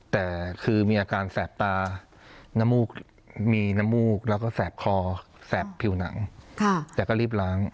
แต่คือมีอาการแสบตาน้ำมูกมีน้ำมูกแล้วก็แสบคอแสบผิวหนังแต่ก็รีบล้าง